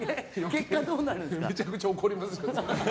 めちゃくちゃ怒ります。